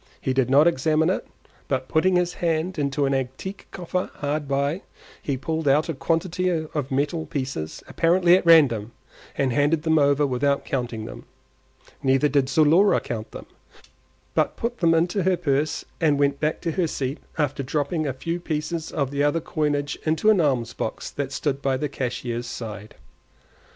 He did not examine it, but putting his hand into an antique coffer hard by, he pulled out a quantity of metal pieces apparently at random, and handed them over without counting them; neither did Zulora count them, but put them into her purse and went back to her seat after dropping a few pieces of the other coinage into an alms box that stood by the cashier's side.